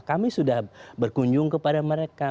kami sudah berkunjung kepada mereka